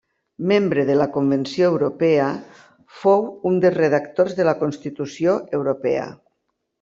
Membre de la Convenció Europea, fou un dels redactors de la Constitució Europea.